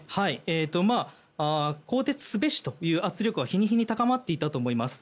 更迭すべしという圧力は日に日に高まっていたと思います。